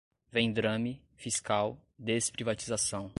vendrame, fiscal, desprivatização